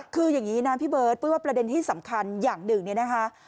คืออย่างนี้นะพี่เบิร์ตปุ้ยว่าประเด็นที่สำคัญอย่างหนึ่งเนี่ยนะคะ